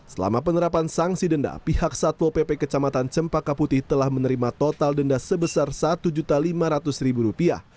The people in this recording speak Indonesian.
selama penerapan sanksi denda pihak satpol pp kecamatan cempaka putih telah menerima total denda sebesar satu lima ratus rupiah